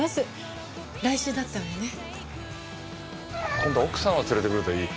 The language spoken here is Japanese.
今度奥さんを連れてくるといい。